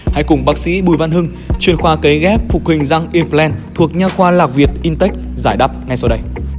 hãy cùng bác sĩ bùi văn hưng chuyên khoa kế ghép phục hình răng implant thuộc nhà khoa lạc việt intech giải đáp ngay sau đây